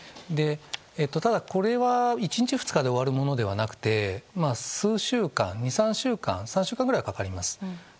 ただ、これは１日や２日で終わるものではなくて数週間、２３週間くらいかかります。